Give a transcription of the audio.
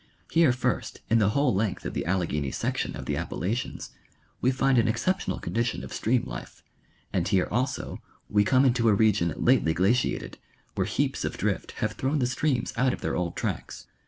Here first in the whole length of the Allegheny section of the Appalachians we find an exceptional condition of stream life, and here also we come into a region lately glaciated, where heaps of drift have thrown the streams out of their old tracks.